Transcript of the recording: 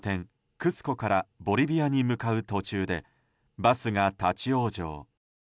クスコからボリビアに向かう途中でバスが立ち往生。